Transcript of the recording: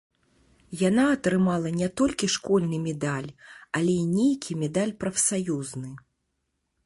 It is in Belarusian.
Яна атрымала не толькі школьны медаль, але і нейкі медаль прафсаюзны.